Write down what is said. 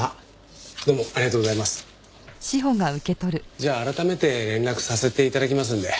じゃあ改めて連絡させて頂きますので。